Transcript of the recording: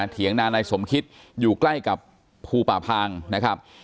เถียงนานายสมคิดอยู่ใกล้กับภูป่าพางนะครับ